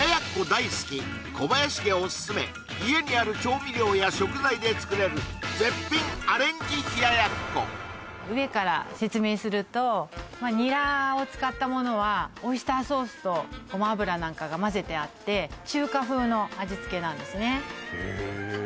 大好き小林家オススメ家にある調味料や食材で作れる絶品アレンジ冷奴上から説明するとニラを使ったものはオイスターソースとごま油なんかがまぜてあって中華風の味付けなんですねえっ